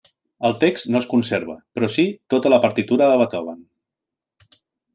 El text no es conserva però sí tota la partitura de Beethoven.